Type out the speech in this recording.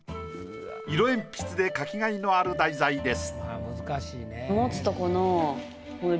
色鉛筆で描きがいのある題材です。